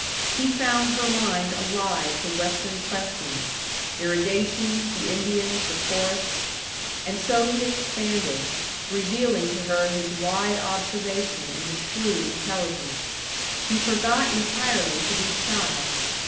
He found her mind alive to Western questions: irrigation, the Indians, the forests; and so he expanded, revealing to her his wide observation and his shrewd intelligence. He forgot entirely to be shy.